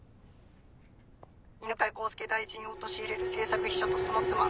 犬飼孝介大臣を陥れる政策秘書とその妻。